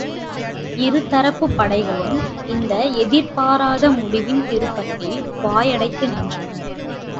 இரு தரப்புப் படைகளும் இந்த எதிர்பாராத முடிவின் திருப்பத்தில் வாய் அடைத்து நின்றனர்.